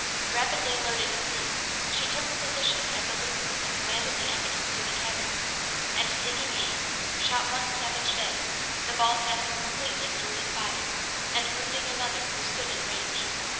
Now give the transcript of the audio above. Rapidly loading her piece she took her position at the loop hole that commanded the entrance to the cabin, and taking aim, shot one savage dead, the ball passing completely through his body and wounding another who stood in range.